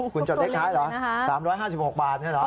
คุณจดได้คล้ายเหรอ๓๕๖บาทใช่เหรอ